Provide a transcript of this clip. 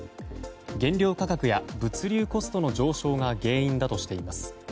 原料価格や物流コストの上昇が原因だとしています。